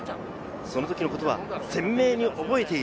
その時のことは鮮明に覚えている。